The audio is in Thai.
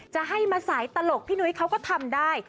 จะให้มาสายตลกพี่นุ้ยเขาก็ทำได้